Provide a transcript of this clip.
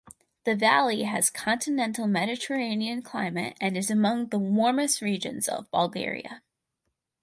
The valley has continental Mediterranean climate and is among the warmest regions of Bulgaria.